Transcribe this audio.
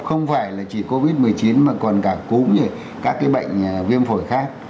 không phải chỉ covid một mươi chín mà còn cả cúm các bệnh viêm phổi khác